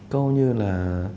câu như là